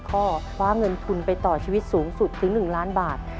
ข้อคว้าเงินทุนไปต่อชีวิตสูงสุดถึง๑ล้านบาท